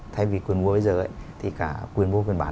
thay vì quyền mua bây giờ thì cả quyền mua quyền bán